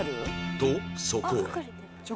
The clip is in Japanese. とそこへ